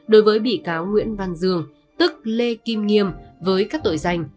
đối với bị cáo nguyễn văn dương tức lê kim nghiêm với các tội danh